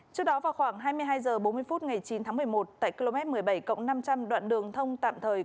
trước đó vào khoảng hai mươi hai h bốn mươi phút ngày chín tháng một mươi một tại km một mươi bảy cộng năm trăm linh đoạn đường thông tạm thời